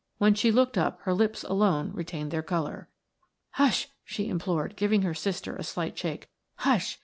When she looked up her lips alone retained their color. "Hush!" she implored, giving her sister a slight shake. "Hush!